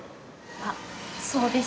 あっそうです。